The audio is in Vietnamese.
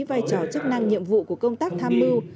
vai trò chức năng nhiệm vụ của công tác tham mưu